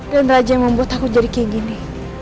dan raja yang membuat aku jadi kayak gini